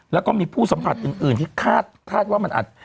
แล้วก็มีผู้สัมผัสอื่นที่คาดว่ามันอาจ